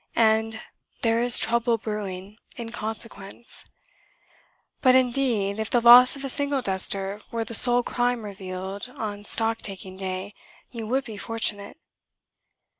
And there is trouble brewing, in consequence. (But indeed, if the loss of a single duster were the sole crime revealed on stocktaking day, you would be fortunate.)